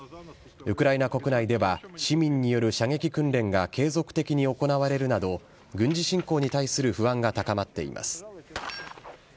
ウクライナ国内では、市民による射撃訓練が継続的に行われるなど、軍事侵攻に対する不安が高まっています。